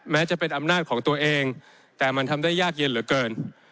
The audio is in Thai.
แม้จะเป็นอำนาจของตัวเองแต่มันทำได้ยากเย็นเหลือเกิน